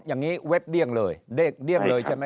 อย่างนี้